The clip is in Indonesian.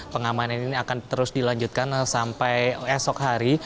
pengamanan ini akan terus dilanjutkan sampai esok hari